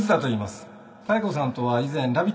妙子さんとは以前ラビットで